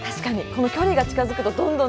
この距離が近づくとどんどんどんどん。